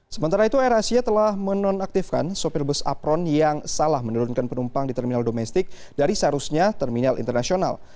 sementara itu air asia telah menonaktifkan sopir bus apron yang salah menurunkan penumpang di terminal domestik dari seharusnya terminal internasional